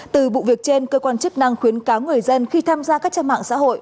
từ vụ việc trên cơ quan chức năng khuyến cáo người dân khi tham gia các trang mạng xã hội